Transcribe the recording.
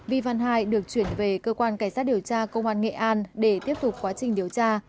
vi văn hai được chuyển về cơ quan cảnh sát điều tra công an nghệ an để tiếp tục quá trình điều tra